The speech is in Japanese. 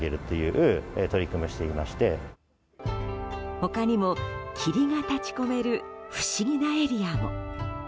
他にも霧が立ち込める不思議なエリアも。